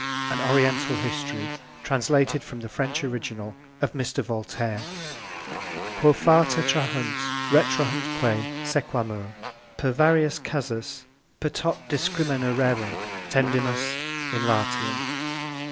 AN Oriental HISTORY, Translated from the French ORIGINAL OF Mr. VOLTAIRE. _Quo fata trahunt, retrahuntque sequamur. Per varios casus, per tot discrimina rerum, Tendimus in Latium.